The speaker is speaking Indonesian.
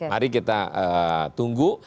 mari kita tunggu